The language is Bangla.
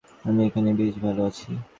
আমি এখানে বেশ ভাল আছি।